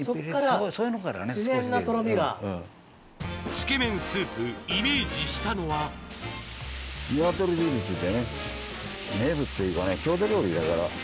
つけ麺スープイメージしたのは名物というかね郷土料理だから。